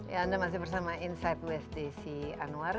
ya anda masih bersama insight with desi anwar